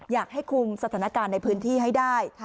อยากให้คุมสถานการณ์ในพื้นที่ให้ได้